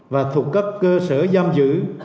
và thuộc các cơ sở giam giữ